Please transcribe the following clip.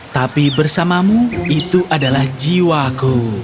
tapi bersamamu itu adalah jiwaku